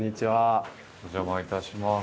お邪魔いたします。